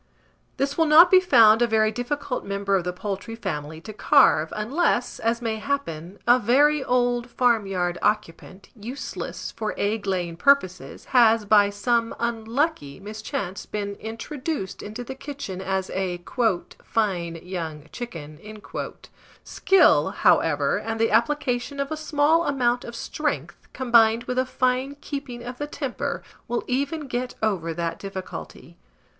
This will not be found a very difficult member of the poultry family to carve, unless, as may happen, a very old farmyard occupant, useless for egg laying purposes, has, by some unlucky mischance, been introduced info the kitchen as a "fine young chicken." Skill, however, and the application of a small amount of strength, combined with a fine keeping of the temper, will even get over that difficulty.